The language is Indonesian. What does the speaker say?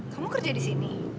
kamu kerja di sini